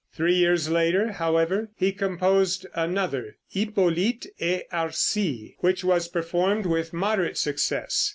Three years later, however, he composed another, "Hypolite et Arcie," which was performed with moderate success.